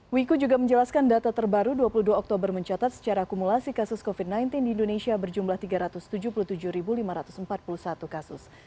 wiku juga menjelaskan data terbaru dua puluh dua oktober mencatat secara akumulasi kasus covid sembilan belas di indonesia berjumlah tiga ratus tujuh puluh tujuh lima ratus empat puluh satu kasus